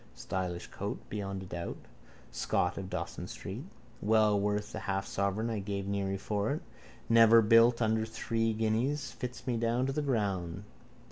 Stylish coat, beyond a doubt. Scott of Dawson street. Well worth the half sovereign I gave Neary for it. Never built under three guineas. Fits me down to the ground.